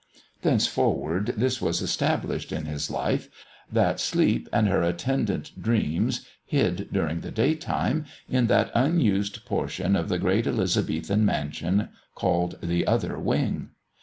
Thenceforward this was established in his life that Sleep and her attendant Dreams hid during the daytime in that unused portion of the great Elizabethan mansion called the Other Wing.